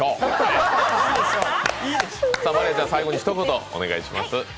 最後に一言お願いします。